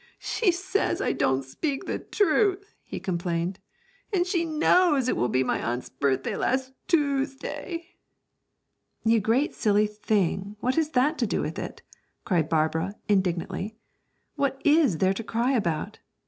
'She says I don't speak the truth!' he complained, 'and she knows it will be my aunt's birthday last Toosday!' 'You great silly thing, what has that to do with it?' cried Barbara, indignantly. 'What is there to cry about?'